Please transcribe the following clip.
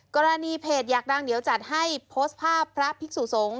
กรณีเพจอยากดังเดี๋ยวจัดให้โพสต์ภาพพระภิกษุสงฆ์